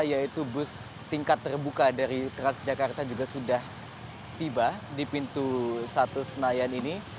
yaitu bus tingkat terbuka dari transjakarta juga sudah tiba di pintu satu senayan ini